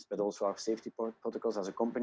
dan juga protokol keamanan sebagai perusahaan